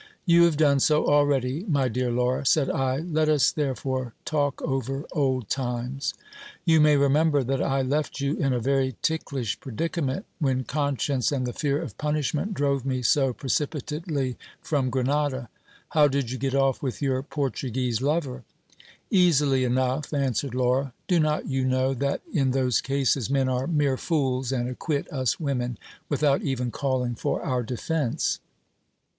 You have done so already, my dear Laura, said I, let us therefore talk over old times. You may remember that I left you in a very ticklish predicament, when conscience and'the fear of punish ment drove me so precipitately from Grenada. How did you get off with your Portuguese lover ? Easily enough, answered Laura : do not you know that in those cases men are mere fools, and acquit us women without even calling for our defence